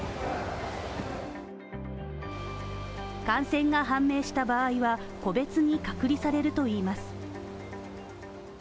感染が判明した場合は、個別に隔離されるといいます。